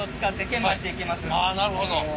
あなるほど。